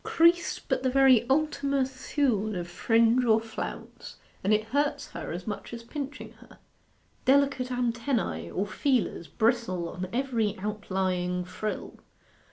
Crease but the very Ultima Thule of fringe or flounce, and it hurts her as much as pinching her. Delicate antennae, or feelers, bristle on every outlying frill.